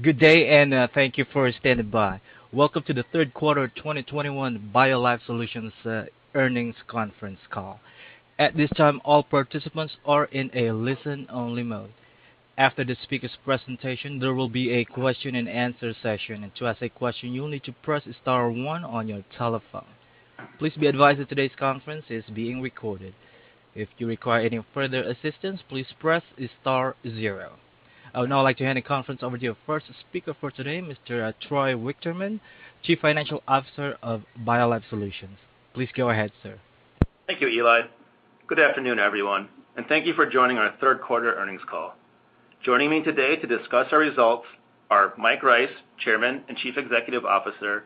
Good day and, thank you for standing by. Welcome to the third quarter 2021 BioLife Solutions earnings conference call. At this time, all participants are in a listen-only mode. After the speaker's presentation, there will be a question-and-answer session. To ask a question, you'll need to press star one on your telephone. Please be advised that today's conference is being recorded. If you require any further assistance, please press star zero. I would now like to hand the conference over to your first speaker for today, Mr. Troy Wichterman, Chief Financial Officer of BioLife Solutions. Please go ahead, sir. Thank you, Eli. Good afternoon, everyone, and thank you for joining our third quarter earnings call. Joining me today to discuss our results are Mike Rice, Chairman and Chief Executive Officer,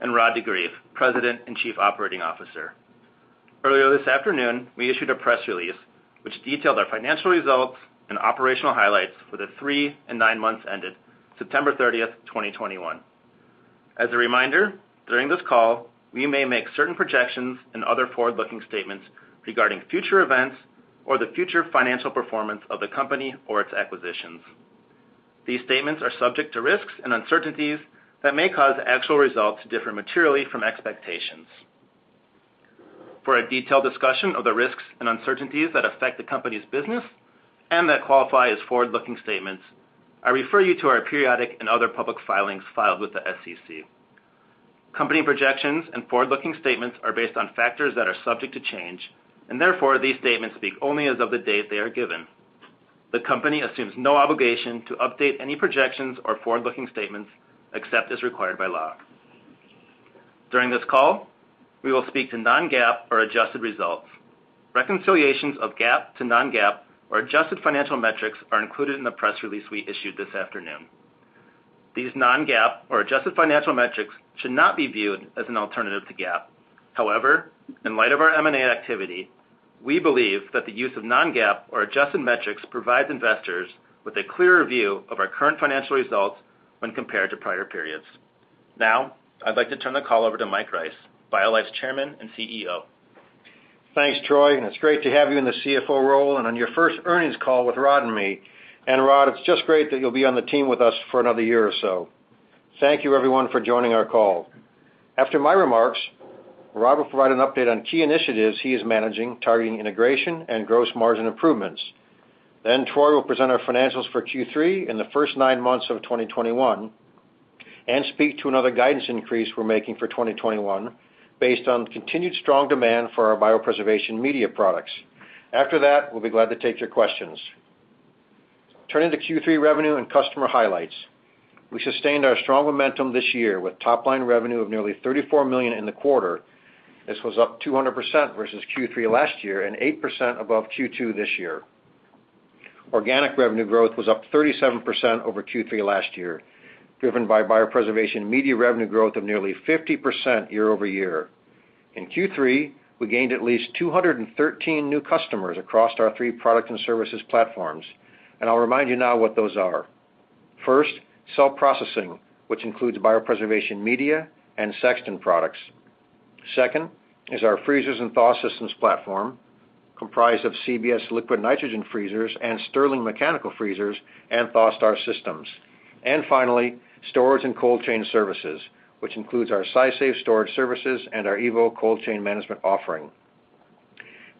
and Rod de Greef, President and Chief Operating Officer. Earlier this afternoon, we issued a press release which detailed our financial results and operational highlights for the three and nine months ended September 30th, 2021. As a reminder, during this call, we may make certain projections and other forward-looking statements regarding future events or the future financial performance of the company or its acquisitions. These statements are subject to risks and uncertainties that may cause actual results to differ materially from expectations. For a detailed discussion of the risks and uncertainties that affect the company's business and that qualify as forward-looking statements, I refer you to our periodic and other public filings filed with the SEC. Company projections and forward-looking statements are based on factors that are subject to change, and therefore, these statements speak only as of the date they are given. The company assumes no obligation to update any projections or forward-looking statements except as required by law. During this call, we will speak to non-GAAP or adjusted results. Reconciliations of GAAP to non-GAAP or adjusted financial metrics are included in the press release we issued this afternoon. These non-GAAP or adjusted financial metrics should not be viewed as an alternative to GAAP. However, in light of our M&A activity, we believe that the use of non-GAAP or adjusted metrics provides investors with a clearer view of our current financial results when compared to prior periods. Now, I'd like to turn the call over to Mike Rice, BioLife's Chairman and CEO. Thanks, Troy, and it's great to have you in the CFO role and on your first earnings call with Rod and me. Rod, it's just great that you'll be on the team with us for another year or so. Thank you everyone for joining our call. After my remarks, Rod will provide an update on key initiatives he is managing, targeting integration and gross margin improvements. Then Troy will present our financials for Q3 and the first nine months of 2021 and speak to another guidance increase we're making for 2021 based on continued strong demand for our biopreservation media products. After that, we'll be glad to take your questions. Turning to Q3 revenue and customer highlights, we sustained our strong momentum this year with top-line revenue of nearly $34 million in the quarter. This was up 200% versus Q3 last year and 8% above Q2 this year. Organic revenue growth was up 37% over Q3 last year, driven by biopreservation media revenue growth of nearly 50% YoY. In Q3, we gained at least 213 new customers across our three products and services platforms, and I'll remind you now what those are. First, cell processing, which includes biopreservation media and Sexton products. Second is our freezers and thaw systems platform, comprised of CBS liquid nitrogen freezers and Stirling mechanical freezers and ThawSTAR systems. Finally, Storage and Cold Chain services, which includes our SciSafe storage services and our evo Cold Chain management offering.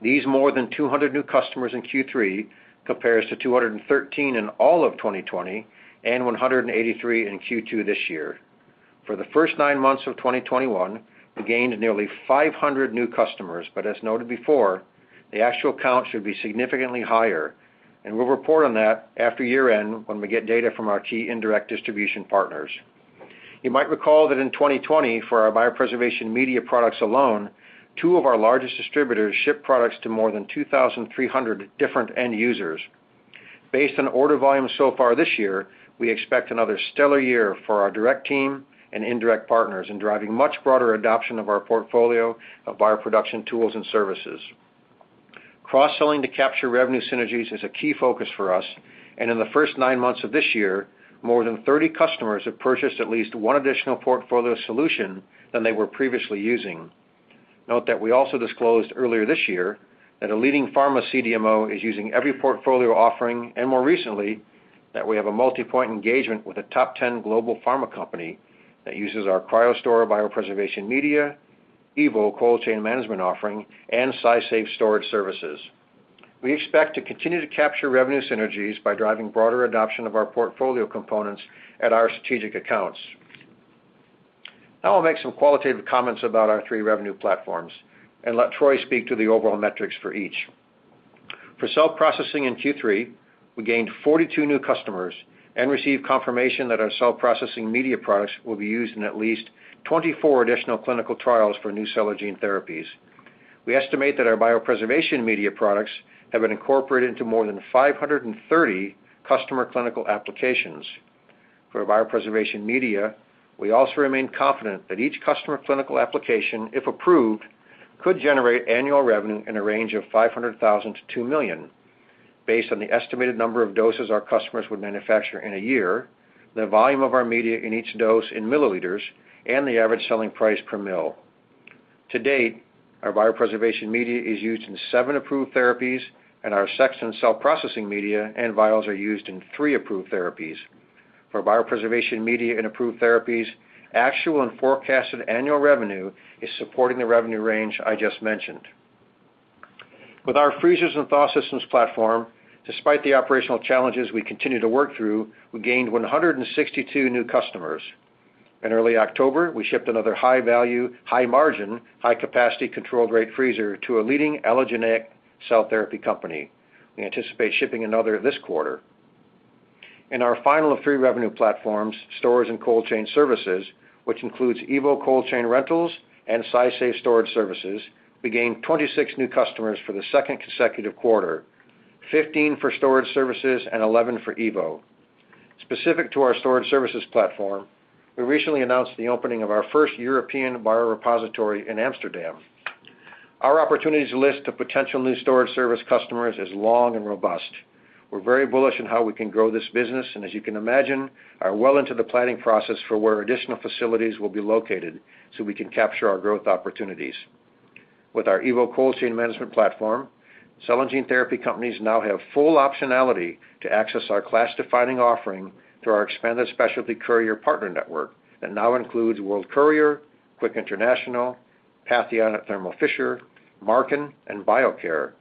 These more than 200 new customers in Q3 compares to 213 in all of 2020 and 183 in Q2 this year. For the first nine months of 2021, we gained nearly 500 new customers, but as noted before, the actual count should be significantly higher, and we'll report on that after year-end when we get data from our key indirect distribution partners. You might recall that in 2020, for our biopreservation media products alone, two of our largest distributors shipped products to more than 2,300 different end users. Based on order volume so far this year, we expect another stellar year for our direct team and indirect partners in driving much broader adoption of our portfolio of bioproduction tools and services. Cross-selling to capture revenue synergies is a key focus for us, and in the first nine months of this year, more than 30 customers have purchased at least one additional portfolio solution than they were previously using. Note that we also disclosed earlier this year that a leading pharma CDMO is using every portfolio offering, and more recently, that we have a multi-point engagement with a top ten global pharma company that uses our CryoStor biopreservation media, evo Cold Chain management offering, and SciSafe storage services. We expect to continue to capture revenue synergies by driving broader adoption of our portfolio components at our strategic accounts. Now I'll make some qualitative comments about our three revenue platforms and let Troy speak to the overall metrics for each. For cell processing in Q3, we gained 42 new customers and received confirmation that our cell processing media products will be used in at least 24 additional clinical trials for new cell and gene therapies. We estimate that our biopreservation media products have been incorporated into more than 530 customer clinical applications. For biopreservation media, we also remain confident that each customer clinical application, if approved, could generate annual revenue in a range of $500,000-$2 million based on the estimated number of doses our customers would manufacture in a year, the volume of our media in each dose in milliliters, and the average selling price per ml. To date, our biopreservation media is used in 7 approved therapies, and our Sexton cell processing media and vials are used in 3 approved therapies. For biopreservation media and approved therapies, actual and forecasted annual revenue is supporting the revenue range I just mentioned. With our freezers and thaw systems platform, despite the operational challenges we continue to work through, we gained 162 new customers. In early October, we shipped another high-value, high-margin, high-capacity controlled rate freezer to a leading allogeneic cell therapy company. We anticipate shipping another this quarter. In our final one of three revenue platforms, Storage and Cold Chain services, which includes evo Cold Chain rentals and SciSafe storage services, we gained 26 new customers for the second consecutive quarter, 15 for storage services and 11 for evo. Specific to our storage services platform, we recently announced the opening of our first European biorepository in Amsterdam. Our opportunities list of potential new storage service customers is long and robust. We're very bullish on how we can grow this business, and as you can imagine, are well into the planning process for where additional facilities will be located so we can capture our growth opportunities. With our evo Cold Chain management platform, cell and gene therapy companies now have full optionality to access our class-defining offering through our expanded specialty courier partner network that now includes World Courier, Quick International, Patheon at Thermo Fisher, Marken, and Biocair.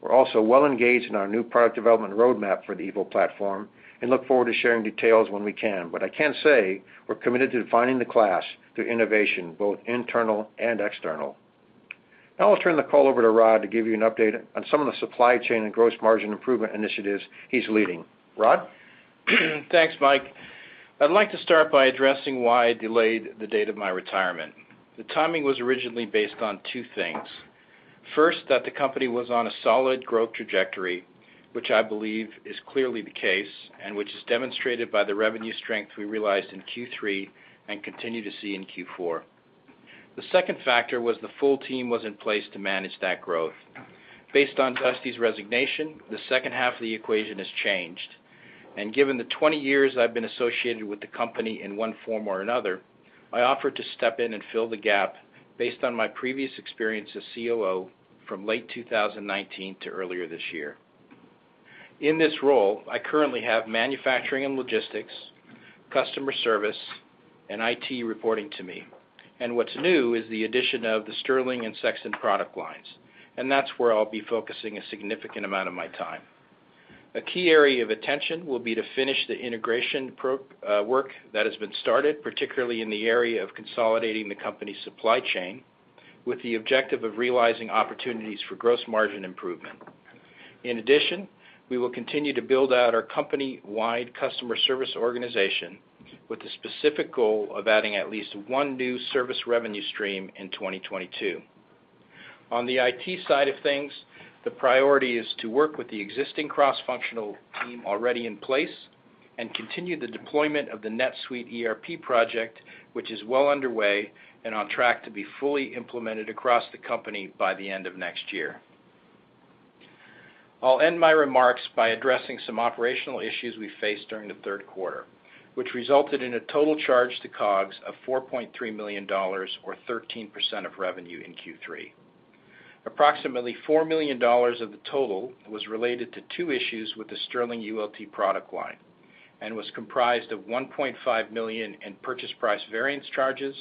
We're also well engaged in our new product development roadmap for the evo platform and look forward to sharing details when we can. What I can say, we're committed to defining the class through innovation, both internal and external. Now I'll turn the call over to Rod to give you an update on some of the supply chain and gross margin improvement initiatives he's leading. Rod? Thanks, Mike. I'd like to start by addressing why I delayed the date of my retirement. The timing was originally based on two things. First, that the company was on a solid growth trajectory, which I believe is clearly the case, and which is demonstrated by the revenue strength we realized in Q3 and continue to see in Q4. The second factor was the full team was in place to manage that growth. Based on Dusty's resignation, the second half of the equation has changed. Given the 20 years I've been associated with the company in one form or another, I offered to step in and fill the gap based on my previous experience as COO from late 2019 to earlier this year. In this role, I currently have manufacturing and logistics, customer service, and IT reporting to me. What's new is the addition of the Stirling and Sexton product lines, and that's where I'll be focusing a significant amount of my time. A key area of attention will be to finish the integration work that has been started, particularly in the area of consolidating the company's supply chain, with the objective of realizing opportunities for gross margin improvement. In addition, we will continue to build out our company-wide customer service organization with the specific goal of adding at least one new service revenue stream in 2022. On the IT side of things, the priority is to work with the existing cross-functional team already in place and continue the deployment of the NetSuite ERP project, which is well underway and on track to be fully implemented across the company by the end of next year. I'll end my remarks by addressing some operational issues we faced during the third quarter, which resulted in a total charge to COGS of $4.3 million or 13% of revenue in Q3. Approximately $4 million of the total was related to two issues with the Stirling ULT product line and was comprised of $1.5 million in purchase price variance charges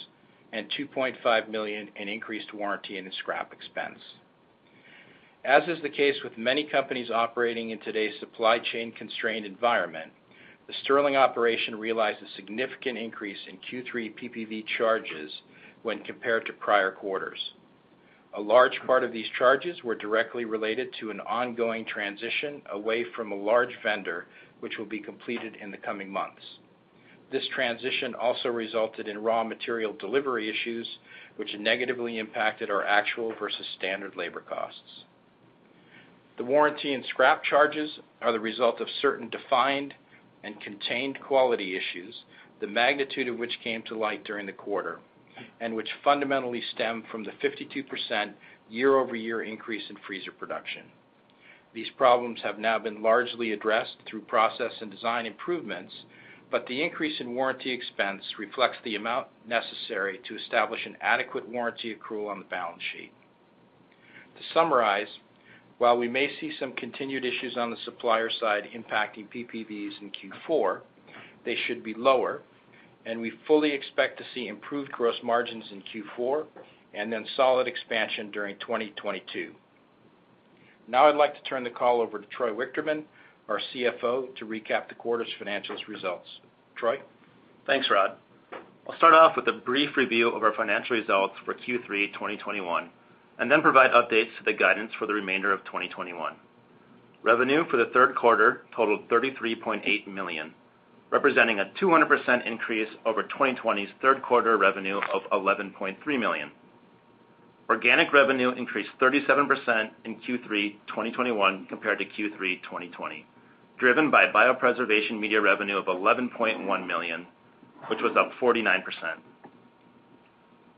and $2.5 million in increased warranty and scrap expense. As is the case with many companies operating in today's supply chain constrained environment, the Stirling operation realized a significant increase in Q3 PPV charges when compared to prior quarters. A large part of these charges were directly related to an ongoing transition away from a large vendor, which will be completed in the coming months. This transition also resulted in raw material delivery issues, which negatively impacted our actual versus standard labor costs. The warranty and scrap charges are the result of certain defined and contained quality issues, the magnitude of which came to light during the quarter, and which fundamentally stem from the 52% YoY increase in freezer production. These problems have now been largely addressed through process and design improvements, but the increase in warranty expense reflects the amount necessary to establish an adequate warranty accrual on the balance sheet. To summarize, while we may see some continued issues on the supplier side impacting PPVs in Q4, they should be lower, and we fully expect to see improved gross margins in Q4 and then solid expansion during 2022. Now I'd like to turn the call over to Troy Wichterman, our CFO, to recap the quarter's financial results. Troy? Thanks, Rod. I'll start off with a brief review of our financial results for Q3 2021, and then provide updates to the guidance for the remainder of 2021. Revenue for the third quarter totaled $33.8 million, representing a 200% increase over 2020's third quarter revenue of $11.3 million. Organic revenue increased 37% in Q3 2021 compared to Q3 2020, driven by biopreservation media revenue of $11.1 million, which was up 49%.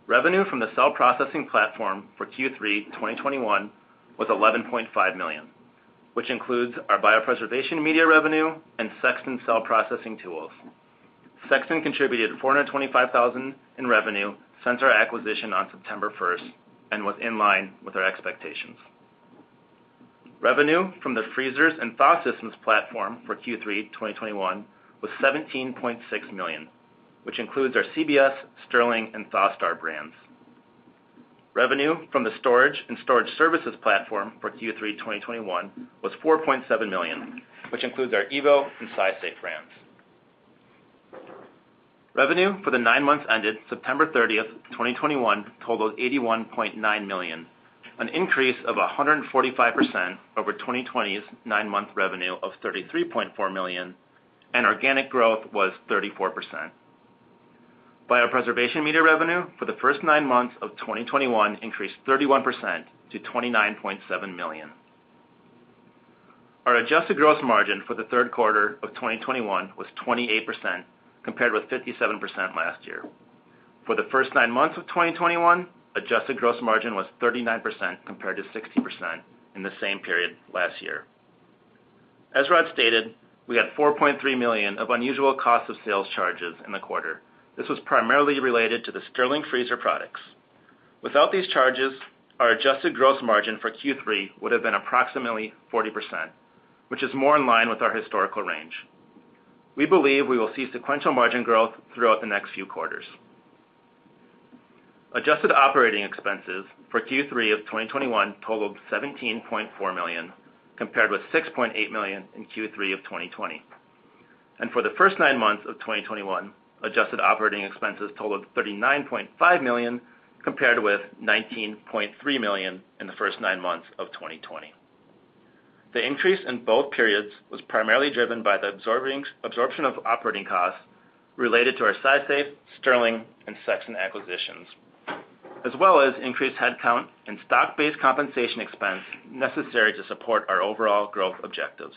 Revenue from the cell processing platform for Q3 2021 was $11.5 million, which includes our biopreservation media revenue and Sexton cell processing tools. Sexton contributed $425,000 in revenue since our acquisition on September 1st, and was in line with our expectations. Revenue from the freezers and thaw systems platform for Q3 2021 was $17.6 million, which includes our CBS, Stirling, and ThawSTAR brands. Revenue from the storage and services platform for Q3 2021 was $4.7 million, which includes our evo and SciSafe brands. Revenue for the nine months ended September 30th, 2021 totaled $81.9 million, an increase of 145% over 2020's nine-month revenue of $33.4 million, and organic growth was 34%. Biopreservation media revenue for the first nine months of 2021 increased 31% to $29.7 million. Our adjusted gross margin for the third quarter of 2021 was 28% compared with 57% last year. For the first nine months of 2021, adjusted gross margin was 39% compared to 60% in the same period last year. As Rod stated, we had $4.3 million of unusual cost of sales charges in the quarter. This was primarily related to the Stirling Freezer products. Without these charges, our adjusted gross margin for Q3 would have been approximately 40%, which is more in line with our historical range. We believe we will see sequential margin growth throughout the next few quarters. Adjusted operating expenses for Q3 of 2021 totaled $17.4 million, compared with $6.8 million in Q3 of 2020. For the first nine months of 2021, adjusted operating expenses totaled $39.5 million, compared with $19.3 million in the first nine months of 2020. The increase in both periods was primarily driven by the absorption of operating costs related to our SciSafe, Stirling, and Sexton acquisitions, as well as increased headcount and stock-based compensation expense necessary to support our overall growth objectives.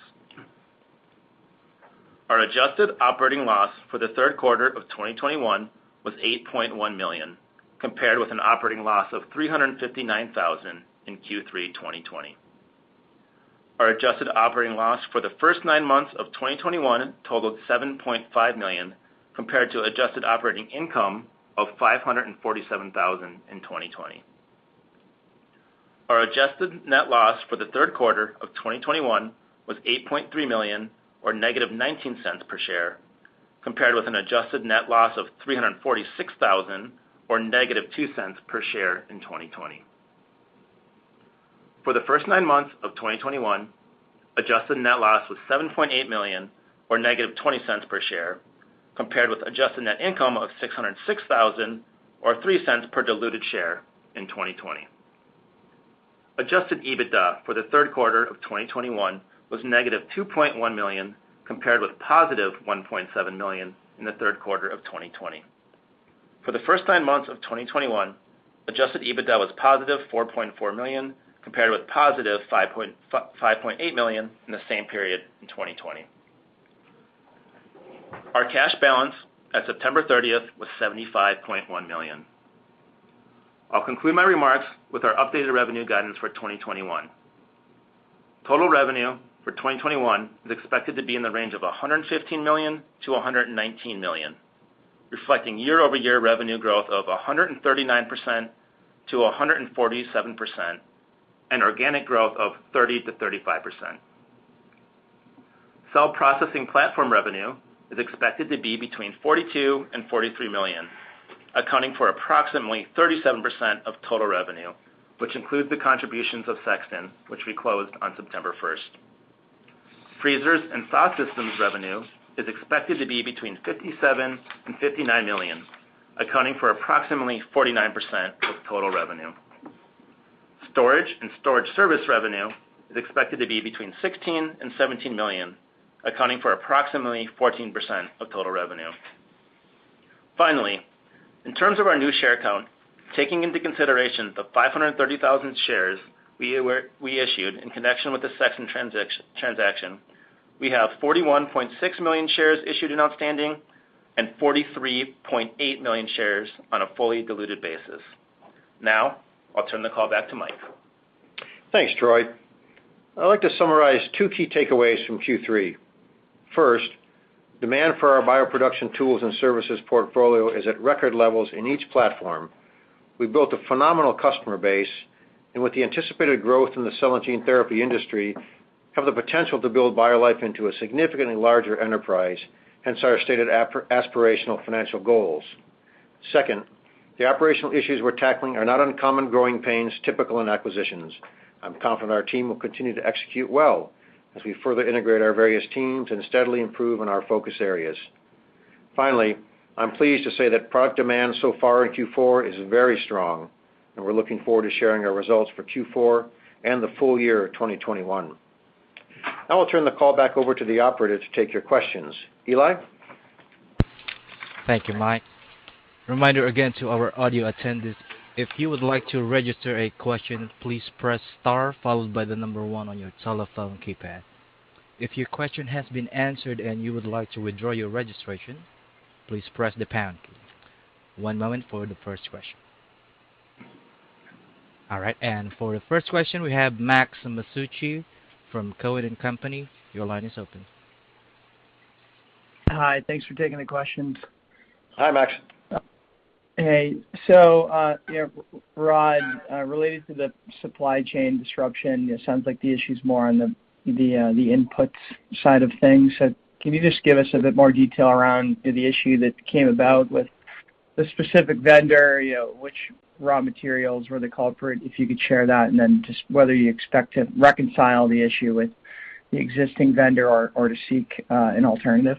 Our adjusted operating loss for the third quarter of 2021 was $8.1 million, compared with an operating loss of $359,000 in Q3 2020. Our adjusted operating loss for the first nine months of 2021 totaled $7.5 million, compared to adjusted operating income of $547,000 in 2020. Our adjusted net loss for the third quarter of 2021 was $8.3 million or $-0.19 per share, compared with an adjusted net loss of $346,000 or $-0.02 per share in 2020. For the first nine months of 2021, adjusted net loss was $7.8 million or $-0.20 per share, compared with adjusted net income of $606,000 or $0.03 per diluted share in 2020. Adjusted EBITDA for the third quarter of 2021 was negative $2.1 million, compared with $+1.7 million in the third quarter of 2020. For the first nine months of 2021, adjusted EBITDA was $+4.4 million, compared with $+5.8 million in the same period in 2020. Our cash balance at September 30th was $75.1 million. I'll conclude my remarks with our updated revenue guidance for 2021. Total revenue for 2021 is expected to be in the range of $115 million-$119 million, reflecting year-over-year revenue growth of 139%-147%, and organic growth of 30%-35%. Cell processing platform revenue is expected to be between $42 million-$43 million, accounting for approximately 37% of total revenue, which includes the contributions of Sexton, which we closed on September first. Freezers and Thaw Systems revenue is expected to be between $57 million-$59 million, accounting for approximately 49% of total revenue. Storage and storage service revenue is expected to be between $16 million-$17 million, accounting for approximately 14% of total revenue. Finally, in terms of our new share count, taking into consideration the 530,000 shares we issued in connection with the Sexton transaction, we have 41.6 million shares issued and outstanding and 43.8 million shares on a fully diluted basis. Now, I'll turn the call back to Mike. Thanks, Troy. I'd like to summarize two key takeaways from Q3. First, demand for our bioproduction tools and services portfolio is at record levels in each platform. We built a phenomenal customer base, and with the anticipated growth in the cell and gene therapy industry, have the potential to build BioLife into a significantly larger enterprise, hence our stated aspirational financial goals. Second, the operational issues we're tackling are not uncommon growing pains typical in acquisitions. I'm confident our team will continue to execute well as we further integrate our various teams and steadily improve in our focus areas. Finally, I'm pleased to say that product demand so far in Q4 is very strong, and we're looking forward to sharing our results for Q4 and the full year of 2021. Now I'll turn the call back over to the operator to take your questions. Eli? Thank you, Mike. Reminder again to our audio attendees, if you would like to register a question, please press star followed by the number one on your telephone keypad. If your question has been answered and you would like to withdraw your registration, please press the pound key. One moment for the first question. All right. For the first question, we have Max Masucci from Cowen and Company. Your line is open. Hi. Thanks for taking the questions. Hi, Max. Hey. You know, Rod, related to the supply chain disruption, it sounds like the issue is more on the input side of things. Can you just give us a bit more detail around the issue that came about with the specific vendor, you know, which raw materials were the culprit, if you could share that, and then just whether you expect to reconcile the issue with the existing vendor or to seek an alternative?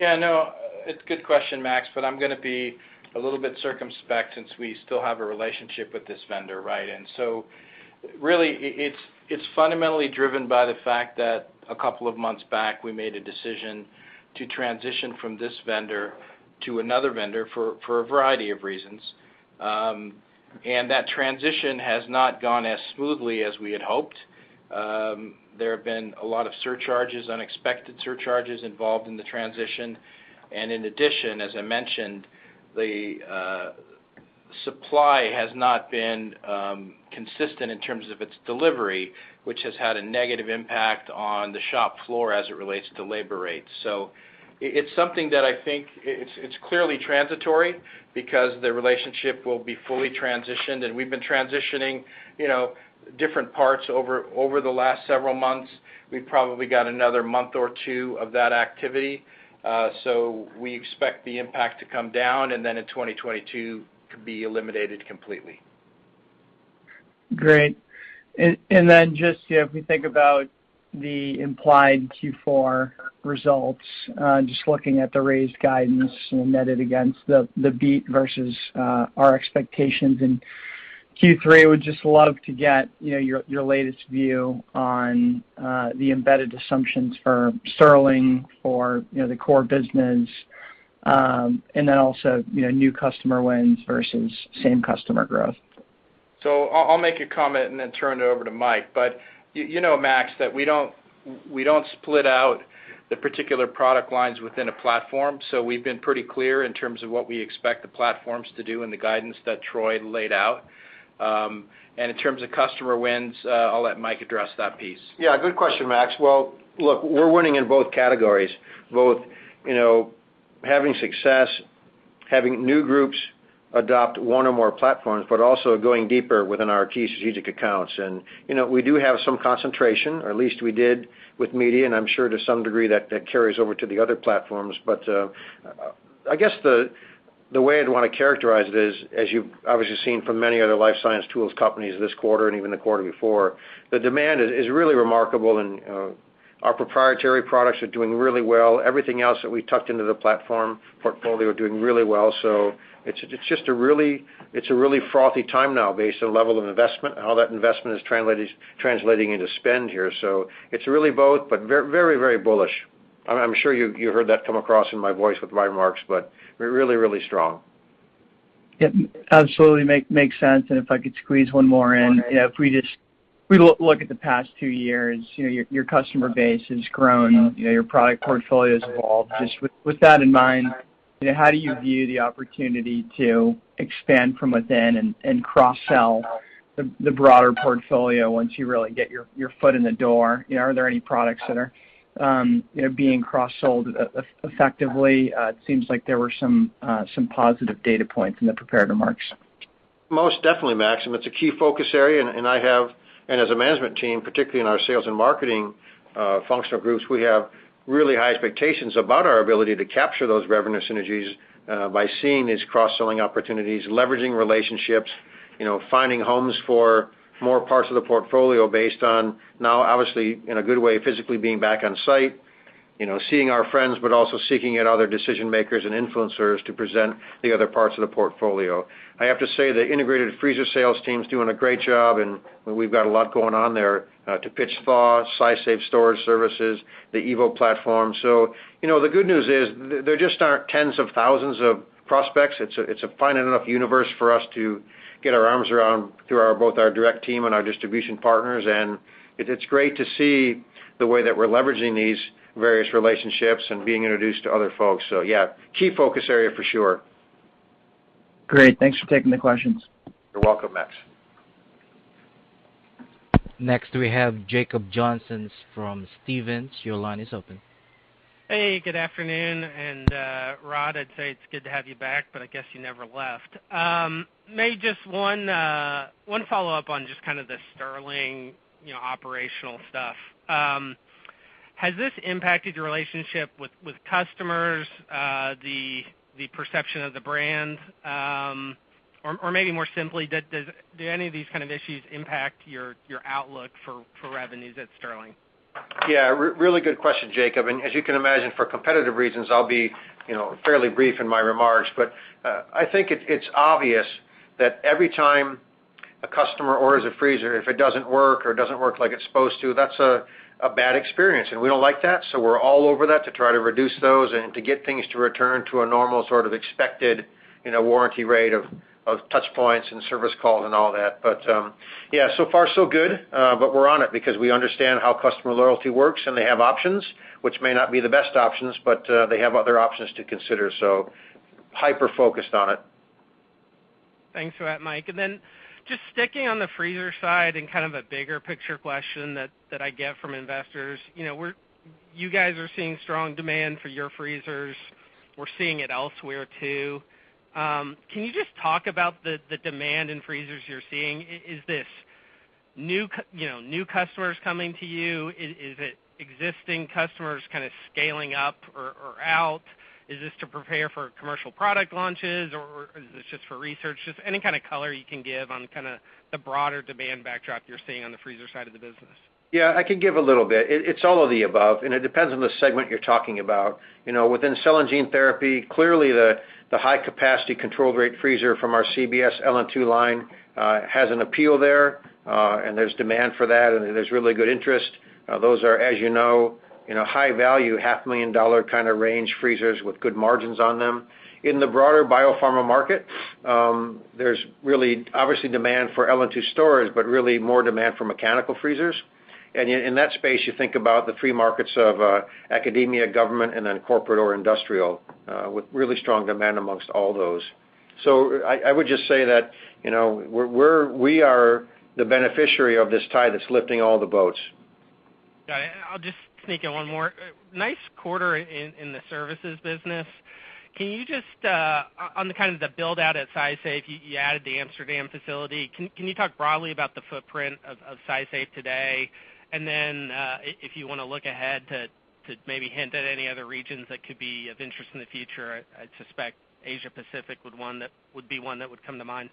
Yeah, no, it's a good question, Max, but I'm gonna be a little bit circumspect since we still have a relationship with this vendor, right? Really, it's fundamentally driven by the fact that a couple of months back, we made a decision to transition from this vendor to another vendor for a variety of reasons. That transition has not gone as smoothly as we had hoped. There have been a lot of surcharges, unexpected surcharges involved in the transition. In addition, as I mentioned, the supply has not been consistent in terms of its delivery, which has had a negative impact on the shop floor as it relates to labor rates. It's something that I think it's clearly transitory because the relationship will be fully transitioned, and we've been transitioning, you know, different parts over the last several months. We've probably got another month or two of that activity, so we expect the impact to come down, and then in 2022 to be eliminated completely. Great. Just, you know, if we think about the implied Q4 results, just looking at the raised guidance and netted against the beat versus our expectations in Q3, would just love to get, you know, your latest view on the embedded assumptions for Stirling or, you know, the core business, and then also, you know, new customer wins versus same customer growth. I'll make a comment and then turn it over to Mike. You know, Max, that we don't split out the particular product lines within a platform, so we've been pretty clear in terms of what we expect the platforms to do and the guidance that Troy laid out. In terms of customer wins, I'll let Mike address that piece. Yeah, good question, Max. Well, look, we're winning in both categories, you know, having success, having new groups adopt one or more platforms, but also going deeper within our key strategic accounts. You know, we do have some concentration, or at least we did with media, and I'm sure to some degree that carries over to the other platforms. I guess the way I'd want to characterize it is, as you've obviously seen from many other life science tools companies this quarter and even the quarter before, the demand is really remarkable, and our proprietary products are doing really well. Everything else that we tucked into the platform portfolio are doing really well. It's just a really frothy time now based on level of investment and how that investment is translating into spend here. It's really both, but very bullish. I'm sure you heard that come across in my voice with my remarks, but we're really strong. It absolutely makes sense. If I could squeeze one more in. If we look at the past two years, you know, your customer base has grown, you know, your product portfolio has evolved. Just with that in mind, you know, how do you view the opportunity to expand from within and cross-sell the broader portfolio once you really get your foot in the door? You know, are there any products that are, you know, being cross-sold effectively? It seems like there were some positive data points in the prepared remarks. Most definitely, Max. It's a key focus area, and I have as a management team, particularly in our sales and marketing functional groups, we have really high expectations about our ability to capture those revenue synergies by seeing these cross-selling opportunities, leveraging relationships, you know, finding homes for more parts of the portfolio based on now, obviously, in a good way, physically being back on site, you know, seeing our friends, but also seeking out other decision-makers and influencers to present the other parts of the portfolio. I have to say, the integrated freezer sales team's doing a great job, and we've got a lot going on there to pitch ThawSTAR, SciSafe storage services, the evo platform. You know, the good news is there just aren't tens of thousands of prospects. It's a finite enough universe for us to get our arms around through both our direct team and our distribution partners. It's great to see the way that we're leveraging these various relationships and being introduced to other folks. Yeah, key focus area for sure. Great. Thanks for taking the questions. You're welcome, Max. Next, we have Jacob Johnson from Stephens. Your line is open. Hey, good afternoon. Rod, I'd say it's good to have you back, but I guess you never left. Maybe just one follow-up on just kind of the Stirling, you know, operational stuff. Has this impacted your relationship with customers, the perception of the brand? Or maybe more simply, do any of these kind of issues impact your outlook for revenues at Stirling? Yeah, really good question, Jacob. As you can imagine, for competitive reasons, I'll be, you know, fairly brief in my remarks. I think it's obvious that every time a customer orders a freezer, if it doesn't work or doesn't work like it's supposed to, that's a bad experience, and we don't like that. We're all over that to try to reduce those and to get things to return to a normal sort of expected, you know, warranty rate of touchpoints and service calls and all that. Yeah, so far so good. We're on it because we understand how customer loyalty works, and they have options, which may not be the best options, but they have other options to consider. Hyper focused on it. Thanks for that, Mike. Just sticking on the freezer side and kind of a bigger picture question that I get from investors, you know, you guys are seeing strong demand for your freezers. We're seeing it elsewhere, too. Can you just talk about the demand in freezers you're seeing? Is this new customers coming to you? Is it existing customers kinda scaling up or out? Is this to prepare for commercial product launches, or is this just for research? Just any kind of color you can give on kinda the broader demand backdrop you're seeing on the freezer side of the business. Yeah, I can give a little bit. It's all of the above, and it depends on the segment you're talking about. You know, within cell and gene therapy, clearly the high capacity control rate freezer from our CBS LN2 line has an appeal there, and there's demand for that, and there's really good interest. Those are, as you know, high value, $500 million kinda range freezers with good margins on them. In the broader biopharma market, there's really obviously demand for LN2 storage, but really more demand for mechanical freezers. In that space, you think about the three markets of academia, government, and then corporate or industrial, with really strong demand amongst all those. I would just say that, you know, we are the beneficiary of this tide that's lifting all the boats. Got it. I'll just sneak in one more. Nice quarter in the services business. Can you just on the kind of build-out at SciSafe, you added the Amsterdam facility. Can you talk broadly about the footprint of SciSafe today? If you wanna look ahead to maybe hint at any other regions that could be of interest in the future, I'd suspect Asia Pacific would be one that would come to mind.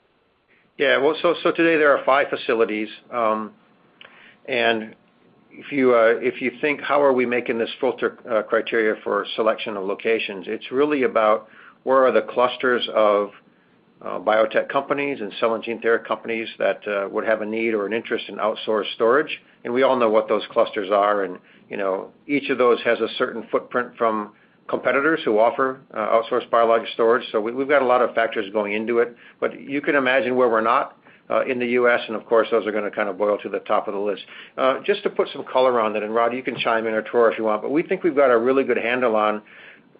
Yeah. Well, today there are five facilities. If you think how are we making this filter criteria for selection of locations, it's really about where are the clusters of biotech companies and cell and gene therapy companies that would have a need or an interest in outsourced storage, and we all know what those clusters are, and you know, each of those has a certain footprint from competitors who offer outsourced biologics storage. We've got a lot of factors going into it. You can imagine where we're not in the U.S., and of course, those are gonna kind of boil to the top of the list. Just to put some color on it, and Rod, you can chime in or Troy if you want, but we think we've got a really good handle on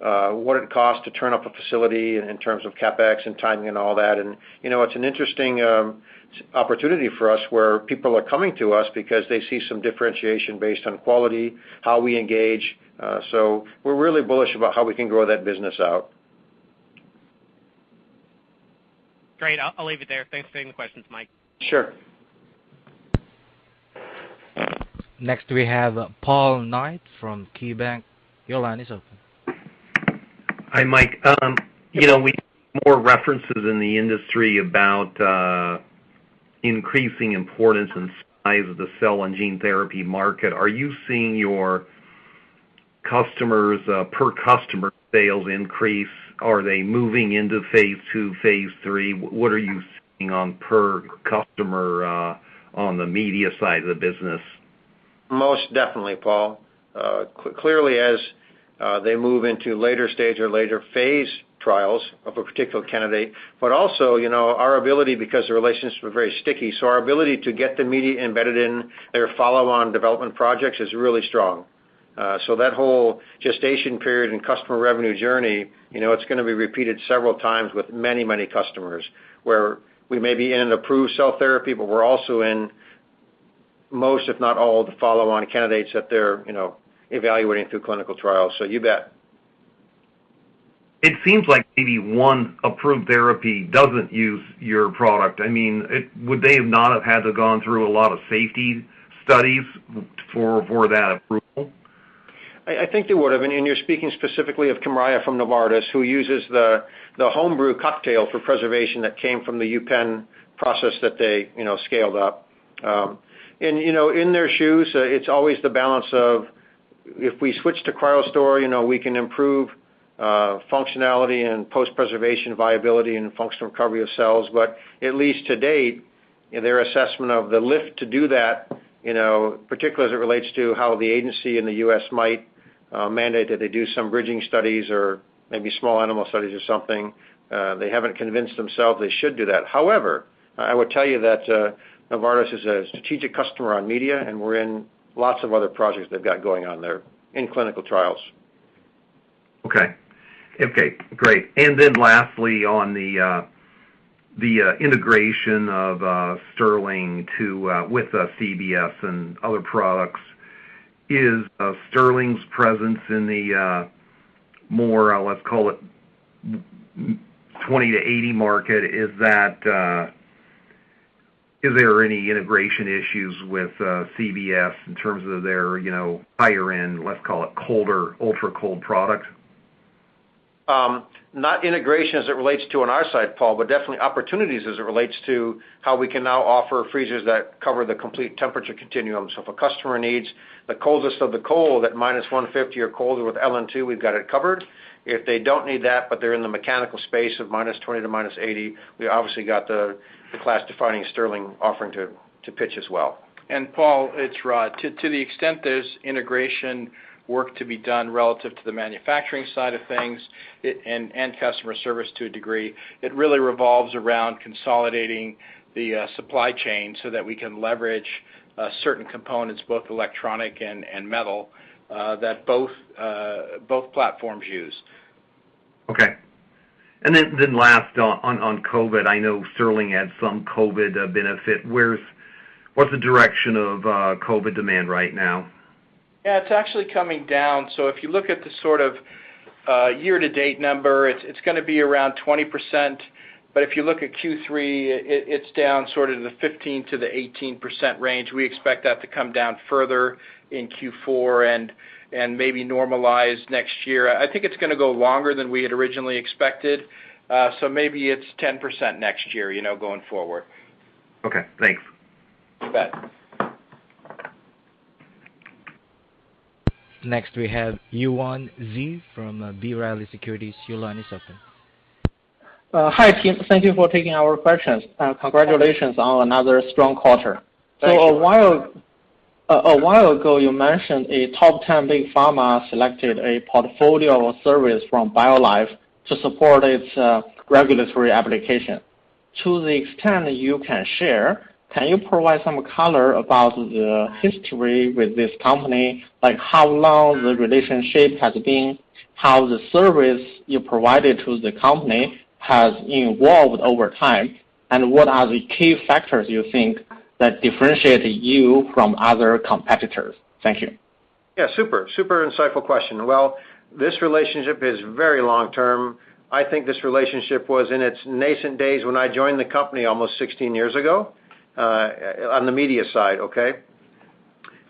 what it costs to turn up a facility in terms of CapEx and timing and all that. You know, it's an interesting opportunity for us where people are coming to us because they see some differentiation based on quality, how we engage, so we're really bullish about how we can grow that business out. Great. I'll leave it there. Thanks for taking the questions, Mike. Sure. Next, we have Paul Knight from KeyBanc. Your line is open. Hi, Mike. You know, we hear more references in the industry about increasing importance and size of the cell and gene therapy market. Are you seeing your customers per customer sales increase? Are they moving into phase II, phase III? What are you seeing on per customer on the media side of the business? Most definitely, Paul. Clearly as they move into later stage or later phase trials of a particular candidate, but also, you know, our ability because the relationships are very sticky, so our ability to get the media embedded in their follow-on development projects is really strong. That whole gestation period and customer revenue journey, you know, it's gonna be repeated several times with many, many customers, where we may be in an approved cell therapy, but we're also in most, if not all, the follow-on candidates that they're, you know, evaluating through clinical trials. You bet. It seems like maybe one approved therapy doesn't use your product. I mean, would they not have had to go through a lot of safety studies for that approval? I think they would have, and you're speaking specifically of Kymriah from Novartis, who uses the home brew cocktail for preservation that came from the UPenn process that they, you know, scaled up. You know, in their shoes, it's always the balance of if we switch to CryoStor, you know, we can improve functionality and post-preservation viability and functional recovery of cells. At least to date, their assessment of the lift to do that, you know, particularly as it relates to how the agency in the U.S. might mandate that they do some bridging studies or maybe small animal studies or something, they haven't convinced themselves they should do that. However, I would tell you that Novartis is a strategic customer on media, and we're in lots of other projects they've got going on there in clinical trials. Okay. Okay, great. Lastly, on the integration of Stirling with CBS and other products, is Stirling's presence in the more, let's call it -20 to -80 market, is there any integration issues with CBS in terms of their, you know, higher-end, let's call it colder, ultra-cold product? Not integration as it relates to on our side, Paul, but definitely opportunities as it relates to how we can now offer freezers that cover the complete temperature continuum. If a customer needs the coldest of the cold at -150 or colder with LN2, we've got it covered. If they don't need that, but they're in the mechanical space of -20 to -80, we obviously got the class-defining Stirling offering to pitch as well. Paul, it's Rod. To the extent there's integration work to be done relative to the manufacturing side of things, and customer service to a degree, it really revolves around consolidating the supply chain so that we can leverage certain components, both electronic and metal, that both platforms use. Last on COVID. I know Stirling had some COVID benefit. What's the direction of COVID demand right now? Yeah, it's actually coming down. If you look at the sort of year-to-date number, it's gonna be around 20%, but if you look at Q3, it's down sort of in the 15%-18% range. We expect that to come down further in Q4 and maybe normalize next year. I think it's gonna go longer than we had originally expected, so maybe it's 10% next year, you know, going forward. Okay, thanks. You bet. Next we have Yuan Zhi from B. Riley Securities. Your line is open. Hi, team. Thank you for taking our questions, and congratulations on another strong quarter. Thank you. A while ago, you mentioned a top 10 big pharma selected a portfolio of service from BioLife to support its regulatory application. To the extent you can share, can you provide some color about the history with this company? Like, how long the relationship has been, how the service you provided to the company has evolved over time, and what are the key factors you think that differentiate you from other competitors? Thank you. Yeah, super insightful question. Well, this relationship is very long-term. I think this relationship was in its nascent days when I joined the company almost 16 years ago on the media side, okay?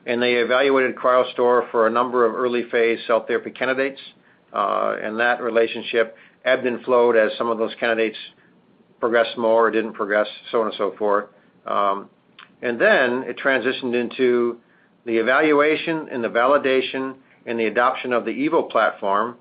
They evaluated CryoStor for a number of early-phase cell therapy candidates, and that relationship ebbed and flowed as some of those candidates progressed more or didn't progress, so on and so forth. It transitioned into the evaluation and the validation and the adoption of the evo platform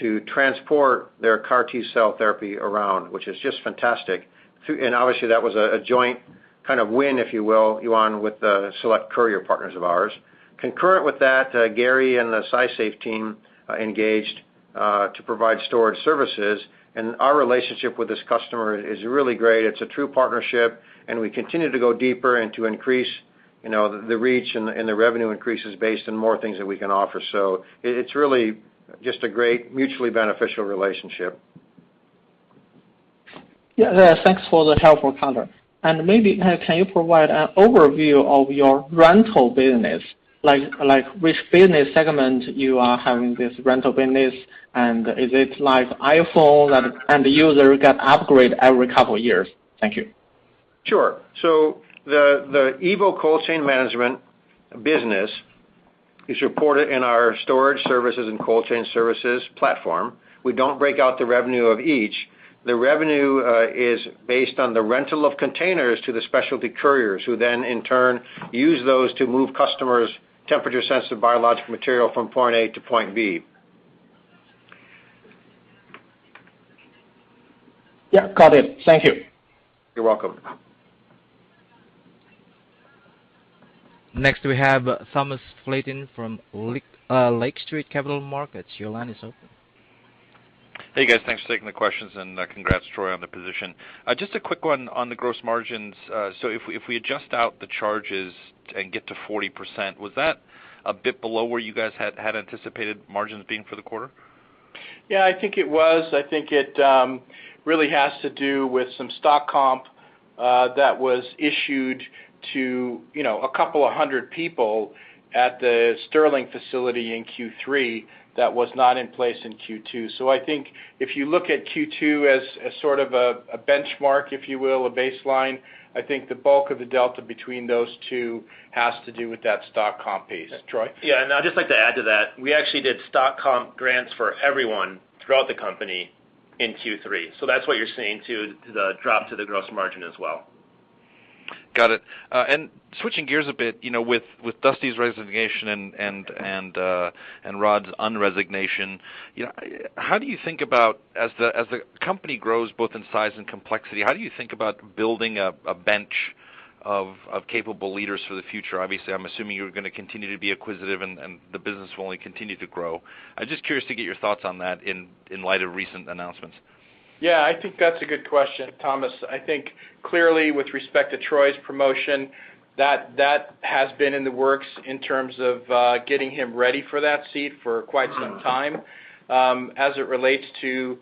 to transport their CAR T-cell therapy around, which is just fantastic. Obviously, that was a joint kind of win, if you will, Yuan, with the select courier partners of ours. Concurrent with that, Gary and the SciSafe team engaged to provide storage services, and our relationship with this customer is really great. It's a true partnership, and we continue to go deeper and to increase, you know, the reach and the revenue increases based on more things that we can offer. It's really just a great mutually beneficial relationship. Yeah, thanks for the helpful comment. Maybe can you provide an overview of your rental business? Like which business segment you are having this rental business, and is it like iPhone and user can upgrade every couple years? Thank you. Sure. The evo Cold Chain management business is reported in our Storage services and Cold Chain services platform. We don't break out the revenue of each. The revenue is based on the rental of containers to the specialty couriers, who then in turn use those to move customers' temperature-sensitive biological material from point A to point B. Yeah, got it. Thank you. You're welcome. Next we have Thomas Flaten from Lake Street Capital Markets. Your line is open. Hey, guys, thanks for taking the questions, and congrats, Troy, on the position. Just a quick one on the gross margins. If we adjust out the charges and get to 40%, was that a bit below where you guys had anticipated margins being for the quarter? Yeah, I think it was. I think it really has to do with some stock comp that was issued to, you know, a couple of hundred people at the Stirling facility in Q3 that was not in place in Q2. I think if you look at Q2 as sort of a benchmark, if you will, a baseline, I think the bulk of the delta between those two has to do with that stock comp piece. Troy? Yeah, I'd just like to add to that. We actually did stock comp grants for everyone throughout the company in Q3, so that's what you're seeing too, the drop to the gross margin as well. Got it. Switching gears a bit, you know, with Dusty's resignation and Rod's un-resignation, you know, how do you think about as the company grows both in size and complexity, how do you think about building a bench of capable leaders for the future? Obviously, I'm assuming you're gonna continue to be acquisitive and the business will only continue to grow. I'm just curious to get your thoughts on that in light of recent announcements. Yeah, I think that's a good question, Thomas. I think clearly with respect to Troy's promotion, that has been in the works in terms of getting him ready for that seat for quite some time. As it relates to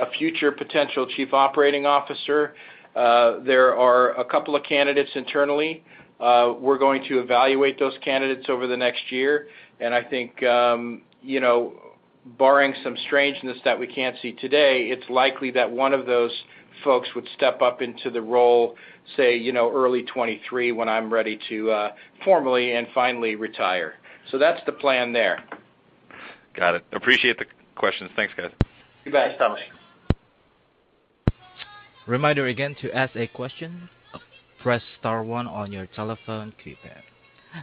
a future potential chief operating officer, there are a couple of candidates internally. We're going to evaluate those candidates over the next year, and I think you know, barring some strangeness that we can't see today, it's likely that one of those folks would step up into the role, say you know, early 2023 when I'm ready to formally and finally retire. That's the plan there. Got it. Appreciate the questions. Thanks, guys. You bet. Thanks, Thomas. Reminder again, to ask a question, press star one on your telephone keypad.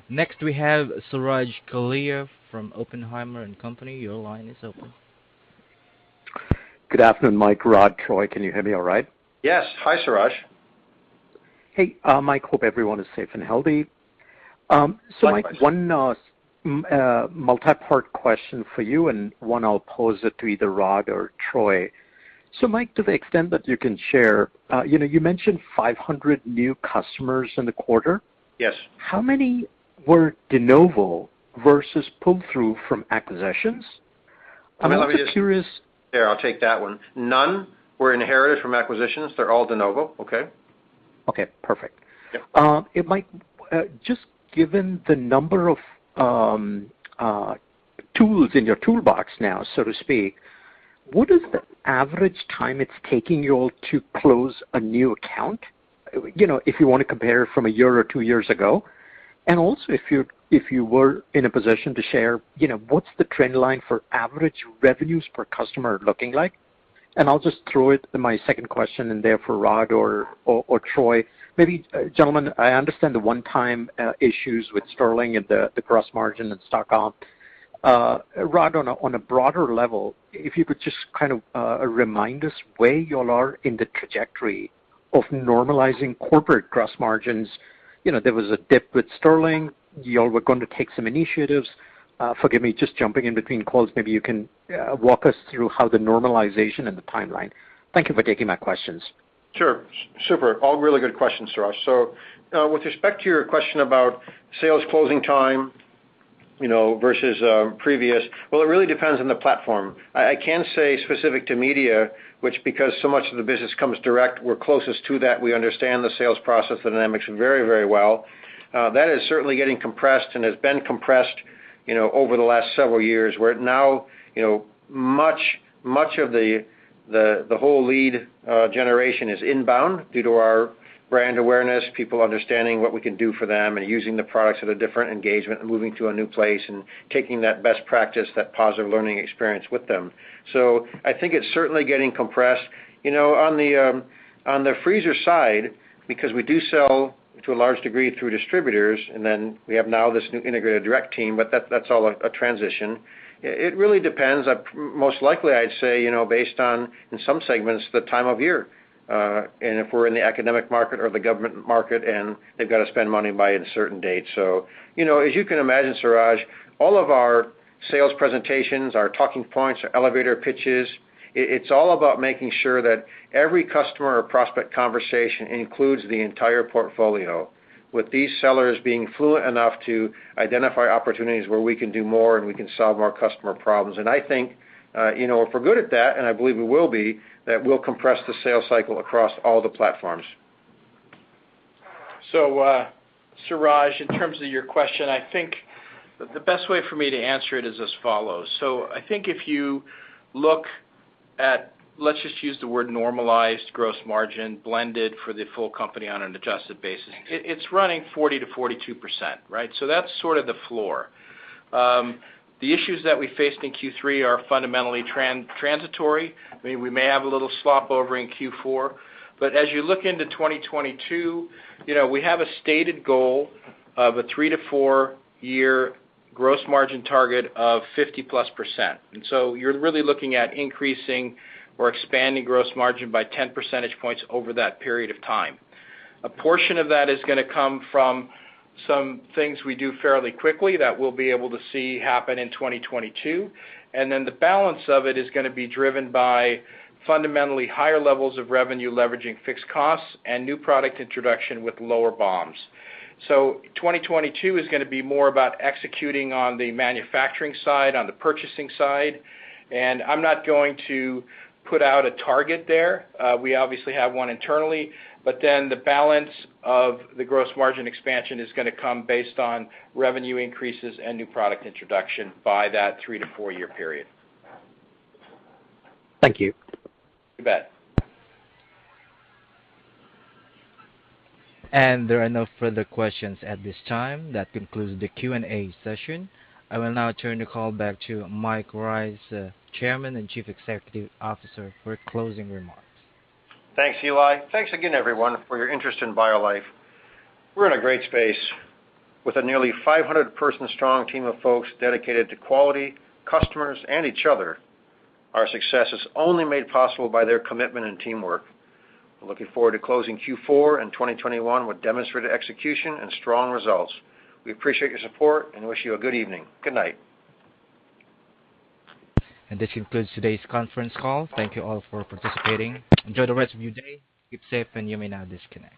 Next we have Suraj Kalia from Oppenheimer & Co. Your line is open. Good afternoon, Mike, Rod, Troy. Can you hear me all right? Yes. Hi, Suraj. Hey, Mike, hope everyone is safe and healthy. Mike Thanks. One multi-part question for you and one I'll pose it to either Rod or Troy. Mike, to the extent that you can share, you know, you mentioned 500 new customers in the quarter. Yes. How many were de novo versus pull through from acquisitions? I'm just curious- Yeah, I'll take that one. None were inherited from acquisitions. They're all de novo. Okay? Okay, perfect. Yeah. Just given the number of tools in your toolbox now, so to speak, what is the average time it's taking you all to close a new account? You know, if you wanna compare from a year or two years ago. Also, if you were in a position to share, you know, what's the trend line for average revenues per customer looking like? I'll just throw it to my second question, and therefore Rod or Troy. Maybe, gentlemen, I understand the one-time issues with Stirling and the gross margin and stock comp. Rod, on a broader level, if you could just kind of remind us where y'all are in the trajectory of normalizing corporate gross margins. You know, there was a dip with Stirling. Y'all were going to take some initiatives. Forgive me, just jumping in between calls. Maybe you can walk us through how the normalization and the timeline. Thank you for taking my questions. Sure. Super. All really good questions, Suraj. With respect to your question about sales closing time, you know, versus previous, well, it really depends on the platform. I can say specific to media, which because so much of the business comes direct, we're closest to that. We understand the sales process dynamics very, very well. That is certainly getting compressed and has been compressed, you know, over the last several years, where now, you know, much, much of the the whole lead generation is inbound due to our brand awareness, people understanding what we can do for them, and using the products at a different engagement, and moving to a new place and taking that best practice, that positive learning experience with them. I think it's certainly getting compressed. You know, on the freezer side, because we do sell to a large degree through distributors, and then we have now this new integrated direct team, but that's all a transition. It really depends. Most likely, I'd say, you know, based on, in some segments, the time of year, and if we're in the academic market or the government market, and they've got to spend money by a certain date. You know, as you can imagine, Suraj, all of our sales presentations, our talking points, our elevator pitches, it's all about making sure that every customer or prospect conversation includes the entire portfolio. With these sellers being fluent enough to identify opportunities where we can do more, and we can solve more customer problems. I think, you know, if we're good at that, and I believe we will be, that we'll compress the sales cycle across all the platforms. Suraj, in terms of your question, I think the best way for me to answer it is as follows. I think if you look at, let's just use the word normalized gross margin, blended for the full company on an adjusted basis. It's running 40%-42%, right? So that's sort of the floor. The issues that we faced in Q3 are fundamentally transitory. I mean, we may have a little spillover in Q4, but as you look into 2022, you know, we have a stated goal of a 3-4-year gross margin target of 50%+. You're really looking at increasing or expanding gross margin by 10 percentage points over that period of time. A portion of that is gonna come from some things we do fairly quickly that we'll be able to see happen in 2022, and then the balance of it is gonna be driven by fundamentally higher levels of revenue leveraging fixed costs and new product introduction with lower BOMs. 2022 is gonna be more about executing on the manufacturing side, on the purchasing side. I'm not going to put out a target there. We obviously have one internally, but then the balance of the gross margin expansion is gonna come based on revenue increases and new product introduction by that 3-4-year period. Thank you. You bet. There are no further questions at this time. That concludes the Q&A session. I will now turn the call back to Mike Rice, Chairman and Chief Executive Officer, for closing remarks. Thanks, Eli. Thanks again, everyone, for your interest in BioLife. We're in a great space with a nearly 500-person strong team of folks dedicated to quality, customers, and each other. Our success is only made possible by their commitment and teamwork. We're looking forward to closing Q4 in 2021 with demonstrated execution and strong results. We appreciate your support and wish you a good evening. Good night. This concludes today's conference call. Thank you all for participating. Enjoy the rest of your day. Keep safe, and you may now disconnect.